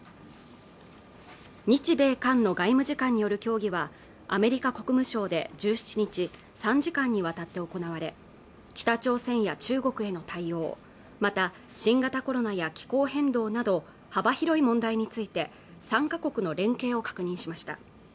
日米韓の外務次官による協議はアメリカ国務省で１７日、３時間にわたって行われ北朝鮮や中国への対応また新型コロナや気候変動など幅広い問題について３か国の連携を確認しました